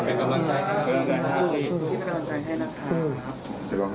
เป็นกำลังใจให้นะคะ